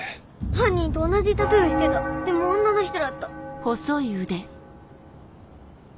犯人と同じタトゥーしてたでも女の人だった。